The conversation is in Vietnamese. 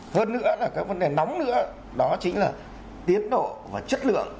hơn nữa là các vấn đề nóng nữa đó chính là tiến độ và chất lượng